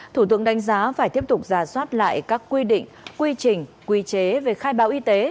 thủ tướng đánh giá phải tiếp tục giả soát lại các quy định quy trình quy chế về khai báo y tế